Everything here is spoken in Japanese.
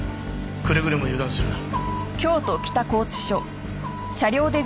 くれぐれも油断するな。